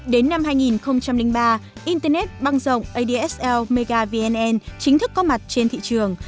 đến năm hai nghìn ba internet băng rộng adsl megavnn chính thức có mặt trên thị trường